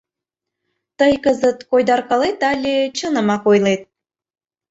Тый кызыт койдаркалет але чынымак ойлет?